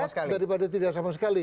lebih baik telat daripada tidak sama sekali